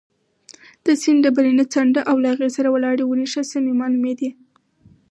د سیند ډبرینه څنډه او له هغې سره ولاړې ونې ښه سمې معلومېدې.